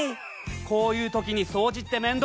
こういう時に掃除って面倒。